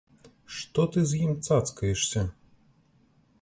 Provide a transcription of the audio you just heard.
Што ты з ім цацкаешся?